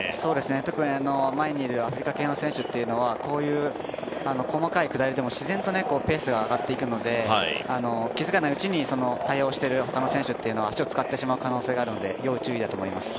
特に前にいるアフリカ系の選手というのは、こういう細かい下りでも、自然とペースが上がっていくので気づかないうちに対応している選手っていうのは足を使ってしまう可能性があるので要注意だと思います。